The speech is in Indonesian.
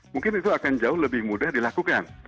mungkin itu akan jauh lebih mudah dilakukan